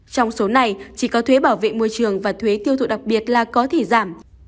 trong số này chỉ có thuế bảo vệ môi trường và thuế tiêu thụ đặc biệt là có thể giảm